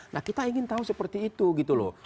nah kita ingin tahu seperti itu gitu loh